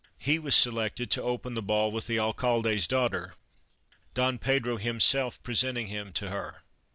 He was selected to open the ball with the Alcalde's daughter, Don Pedro himself presenting him to her.